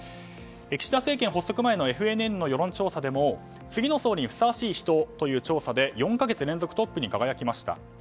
岸田政権発足前のＦＮＮの世論調査でも次の総理にふさわしい人という調査で４か月連続トップに輝きました。